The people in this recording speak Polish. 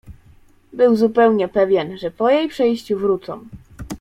Był zupełnie pewien, że po jej przejściu wrócą.